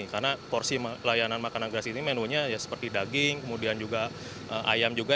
karena porsi layanan makanan gratis ini menunya seperti daging kemudian juga ayam juga